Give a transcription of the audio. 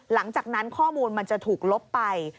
หลังจากนั้นข้อมูลมันจะถูกลบไป